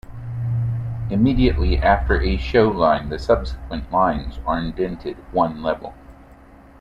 Immediately after a "Show" line, the subsequent lines are indented one level.